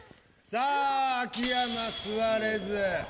さあ秋山座れず。